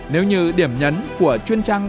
nếu như điểm nhấn của chuyên trang